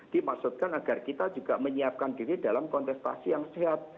dimaksudkan agar kita juga menyiapkan diri dalam kontestasi yang sehat